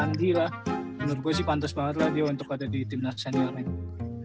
menurut gue sih pantas banget lah dia untuk ada di timnas senior itu